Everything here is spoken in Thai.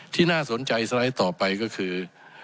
น่าสนใจสไลด์ต่อไปก็คือ